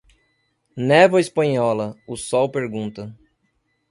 Névoa espanhola, o sol pergunta.